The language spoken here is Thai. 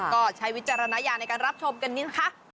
ก็ใช้วิจารณาอย่างในการรับชมกันนี้ค่ะ